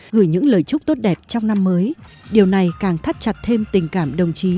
gửi những lời chúc tốt đẹp trong năm mới điều này càng thắt chặt thêm tình cảm đồng chí